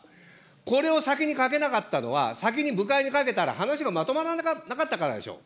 これを先にかけなかったのは、先に部会にかけたら、話がまとまらなかったからでしょう。